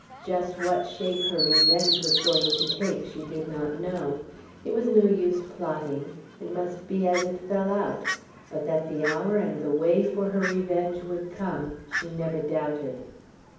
Just what shape her revenge was going to take, she did not know. It was no use plotting. It must be as it fell out; but that the hour and the way for her revenge would come she never doubted.